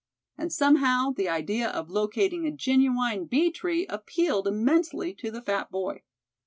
And somehow the idea of locating a genuine bee tree appealed immensely to the fat boy.